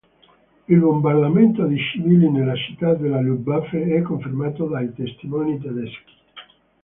Il bombardamento di civili nella città dalla Luftwaffe è confermato dai testimoni tedeschi.